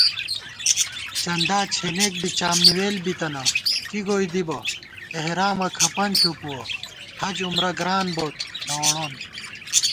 چندا چھېنېک بی چامنِوېل بِتَنہ کی گوئی دِبہ * احرامہ کھپَن ݪُپُوَہ حج عمرہ گران بوت نہ ووڑون